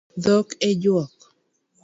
Dhok e juok